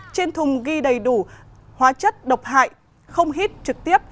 trên thùng ghi đầy đủ hóa chất độc hại không hít trực tiếp